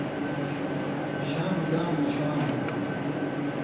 شاں مُدام ماݜواں دَن ہُوئ تُھو